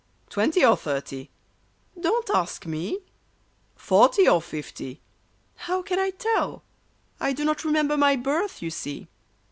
Twenty or thirty ?" Don't ask me I " Forty or fifty ? "—How can I tell ? I do not remember my birth, you see